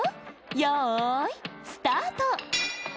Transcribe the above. よいスタート！